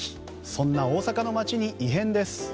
そんな大阪の街に異変です。